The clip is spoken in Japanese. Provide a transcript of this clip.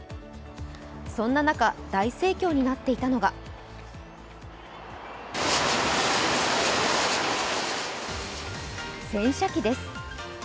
そんな中、大盛況になっていたのが洗車機です。